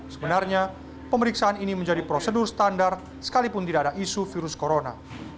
sebenarnya pemeriksaan ini menjadi prosedur standar sekalipun tidak ada isu virus corona